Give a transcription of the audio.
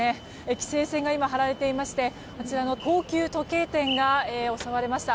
規制線が張られていましてあちらの高級時計店が襲われました。